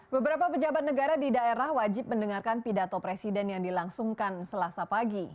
beberapa pejabat negara di daerah wajib mendengarkan pidato presiden yang dilangsungkan selasa pagi